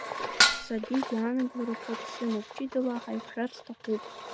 Саргьы гәаанагарақәак сымоуп, ҷыдала ҳаиқәшәар сҭахуп…